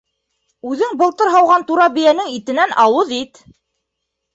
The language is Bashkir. Үҙең былтыр һауған тура бейәнең итенән ауыҙ ит.